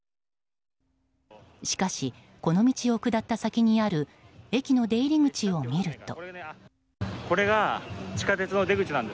しかし、この道を下った先にある駅の出入り口を見ると。